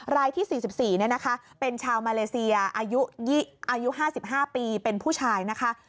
รายที่๔๔เป็นชาวมาเลเซียอายุ๕๕ปีเป็นผู้ชายนะคะ